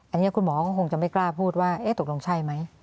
อันนี้คุณหมอก็คงจะไม่กล้าพูดว่าตกลงใช่ไหม